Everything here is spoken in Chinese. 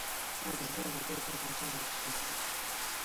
迦太基政府被迫重新起用哈米尔卡。